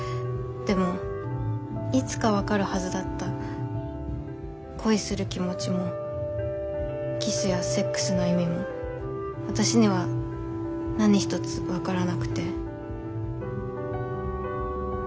でもいつか分かるはずだった恋する気持ちもキスやセックスの意味も私には何一つ分からなくて。